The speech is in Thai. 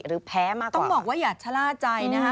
หรือแพ้มากกว่าค่ะต้องบอกว่าอย่าชะล่าใจนะครับ